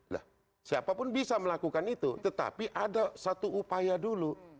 nah siapapun bisa melakukan itu tetapi ada satu upaya dulu